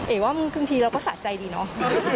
ว่าบางทีเราก็สะใจดีเนาะ